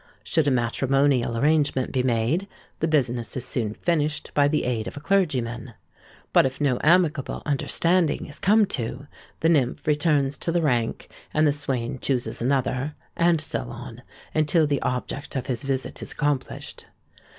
Should a matrimonial arrangement be made, the business is soon finished by the aid of a clergyman; but if no amicable understanding is come to, the nymph returns to the rank, and the swain chooses another—and so on, until the object of his visit is accomplished.